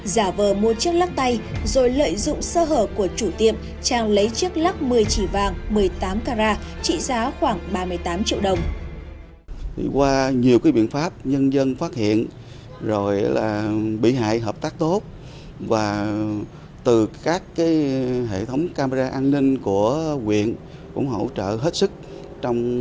giả vờ mua chiếc lắc tay rồi lợi dụng sơ hở của chủ tiệm trang lấy chiếc lắc một mươi chỉ vàng một mươi tám carat trị giá khoảng ba mươi tám triệu đồng